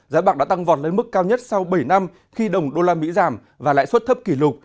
giá bạc đã tăng vọt lên mức cao nhất sau bảy năm khi đồng usd giảm và lại xuất thấp kỷ lục